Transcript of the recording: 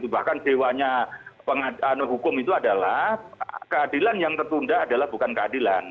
bahkan dewanya hukum itu adalah keadilan yang tertunda adalah bukan keadilan